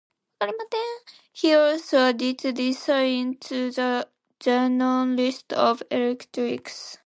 He also added resin to the then known list of electrics.